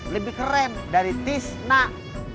lebih keren dari tis nak